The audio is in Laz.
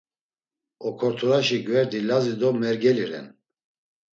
Okorturaşi gverdi Lazi do Mergeli ren.